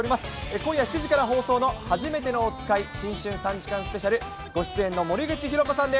今夜７時から放送の、はじめてのおつかい新春３時間スペシャル、ご出演の森口博子さんです。